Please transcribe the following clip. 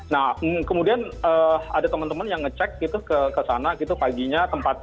nah kemudian ada teman teman yang ngecek gitu ke sana gitu paginya tempat